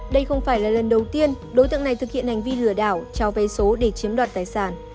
đây không phải là lần đầu tiên đối tượng này thực hiện hành vi lừa đảo cho vay số để chiếm đoạt tài sản